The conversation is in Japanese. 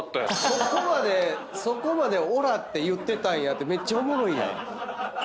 そこまでそこまでオラって言ってたんやってめっちゃおもろいやん。